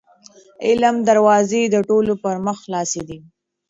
د علم دروازې د ټولو پر مخ خلاصې دي.